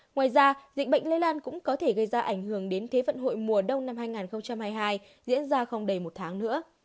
ngoài ra dịch bệnh lây lan cũng có thể gây ra ảnh hưởng đến thế vận hội mùa đông năm hai nghìn hai mươi hai diễn ra không đầy một tháng nữa